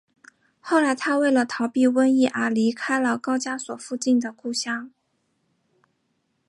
后来他为了逃避瘟疫而离开了高加索附近的故乡。